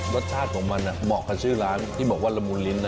รสชาติของมันเหมาะกับชื่อร้านที่บอกว่าละมูลลิ้น